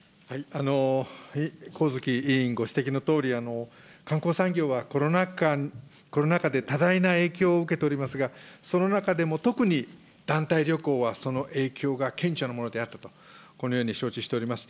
上月委員ご指摘のとおり、観光産業はコロナ禍で多大な影響を受けておりますが、その中でも特に、団体旅行はその影響が顕著なものであったと、このように承知しております。